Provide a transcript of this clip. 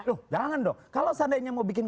loh jangan dong kalau seandainya mau bikin